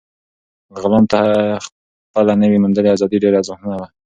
غلام ته خپله نوي موندلې ازادي ډېره ارزښتمنه وه.